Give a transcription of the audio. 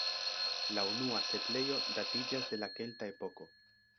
La unua setlejo datiĝas de la kelta epoko.